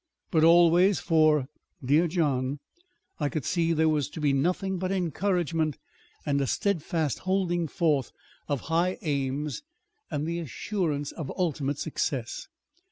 But always, for 'dear John,' I could see there was to be nothing but encouragement and a steadfast holding forth of high aims and the assurance of ultimate success.